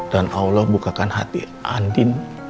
dan allah bukakan hati andi